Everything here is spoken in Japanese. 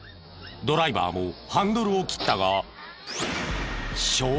ドライバーもハンドルを切ったが。